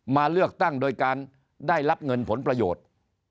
มาเลือกตั้งโดยการได้รับเงินผลประโยชน์